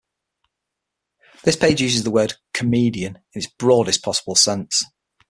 This page uses the word "comedian" in its broadest possible sense.